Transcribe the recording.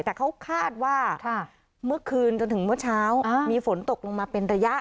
แต่เขาคาดว่าเมื่อคืนจนถึงเมื่อเช้ามีฝนตกลงมาเป็นระยะ